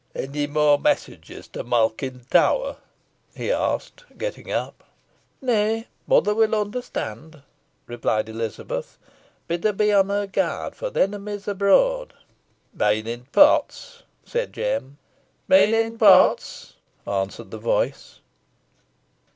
"Any more messages to Malkin Tower?" he asked, getting up. "Neaw mother will onderstond," replied Elizabeth. "Bid her be on her guard, fo' the enemy is abroad." "Meanin' Potts?" said Jem. "Meaning Potts," answered the voice.